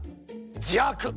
じゃあく！